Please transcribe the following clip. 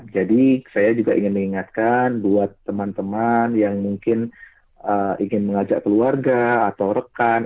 jadi saya juga ingin mengingatkan buat teman teman yang mungkin ingin mengajak keluarga atau rekan